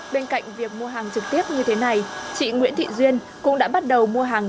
bên cạnh việc mua hàng trực tiếp như thế này chị nguyễn thị duyên cũng đã bắt đầu mua hàng